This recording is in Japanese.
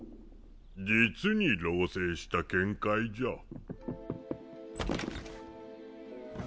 実に老成した見解じゃ。